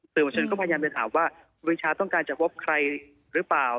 สื่อมวลชนก็พยายามจะถามว่าครูปรีชาต้องการจะวบใครหรือเปล่า